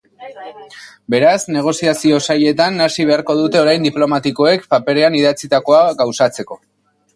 Beraz, negoziazio zailetan hasi beharko dute orain diplomatikoek, paperean idatzitakoa gauzatzeko.